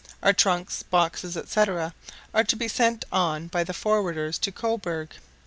Our trunks, boxes, &c. are to be sent on by the forwarders to Cobourg.